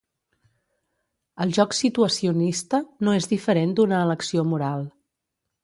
El joc situacionista no és diferent d'una elecció moral.